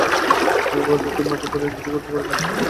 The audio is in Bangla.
বিভা ও উদয়াদিত্য মাঝে পড়িয়া কিছু করিতে পারিবেন, এমন তো ভরসা হয় না।